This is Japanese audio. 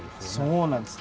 そうなんです。